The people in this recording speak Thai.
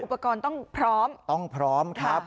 อุปกรณ์ต้องพร้อมต้องพร้อมครับ